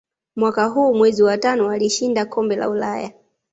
Mwaka huu mwezi wa tano alishinda kombe la ulaya